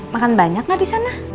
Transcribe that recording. makan banyak gak di sana